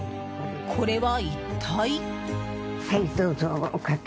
これは一体。